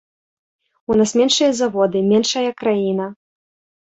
У нас меншыя заводы, меншая краіна.